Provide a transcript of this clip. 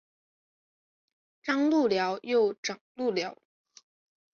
张路寮又掌路寮。